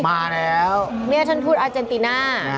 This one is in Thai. มาแล้วเนี่ยท่านพูดอาเจนติน่า